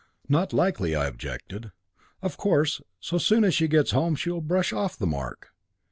'Not likely,' I objected. 'Of course, so soon as she gets home, she will brush off the mark.'